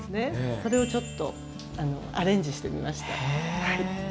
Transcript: それをちょっとアレンジしてみました。